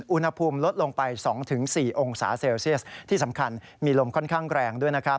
อุณหภูมิลดลงไป๒๔องศาเซลเซียสที่สำคัญมีลมค่อนข้างแรงด้วยนะครับ